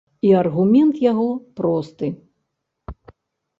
І аргумент яго просты.